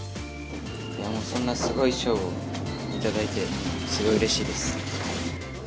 そんなすごい賞を頂いてすごいうれしいです。